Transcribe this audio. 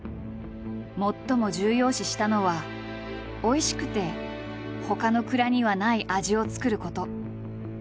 最も重要視したのはおいしくてほかの蔵にはない味を造ること。